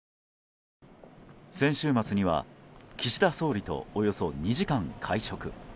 先週末には、岸田総理とおよそ２時間、会食。